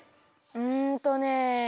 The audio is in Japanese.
うんとね。